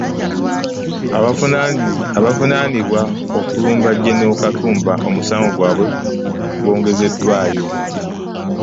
Abavunaanibwa okulumba jenero Katumba omusango gwabwe gwongezeddwayo.